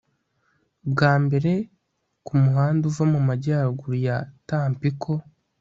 bwa mbere, kumuhanda uva mumajyaruguru ya tampico